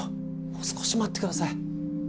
もう少し待ってください